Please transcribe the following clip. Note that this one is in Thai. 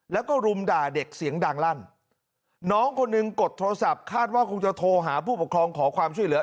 แล้วก็รุมด่าเด็กเสียงดังลั่นน้องคนหนึ่งกดโทรศัพท์คาดว่าคงจะโทรหาผู้ปกครองขอความช่วยเหลือ